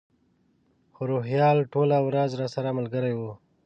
خو روهیال ټوله ورځ راسره ملګری و.